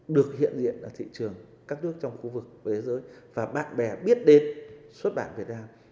được hiện diện ở thị trường các nước trong khu vực thế giới và bạn bè biết đến xuất bản việt nam